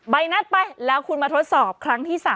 นัดไปแล้วคุณมาทดสอบครั้งที่๓